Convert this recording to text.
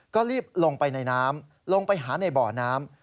ก็รีบลงไปในน้ำลงไปหาในบ่อน้ำ